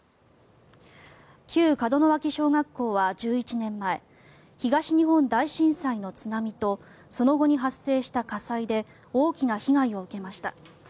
旧門脇小学校は１１年前東日本大震災の津波とその後に発生した火災で大きな被害を受けました。